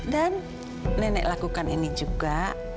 dan nenek lakukan ini juga